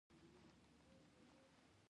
حرارت د ذرّو د خوځښت اندازه ده.